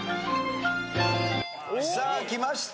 さあきました。